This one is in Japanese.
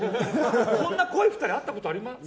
こんな濃い２人会ったことあります？